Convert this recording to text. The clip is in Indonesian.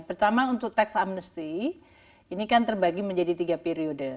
pertama untuk tax amnesty ini kan terbagi menjadi tiga periode